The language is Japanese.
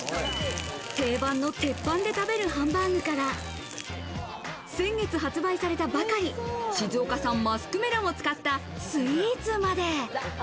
定番の鉄板で食べるハンバーグから、先月発売されたばかり、静岡産マスクメロンを使ったスイーツまで。